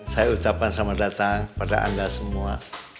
saya ucapkan selamat datang pada anda semua